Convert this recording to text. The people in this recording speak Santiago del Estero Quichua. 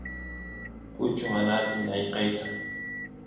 kuchu mana atin ayqeyt